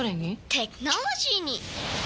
テクノロジーに！